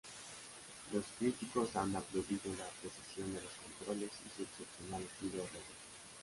Los críticos han aplaudido la precisión de los controles y su excepcional estilo retro.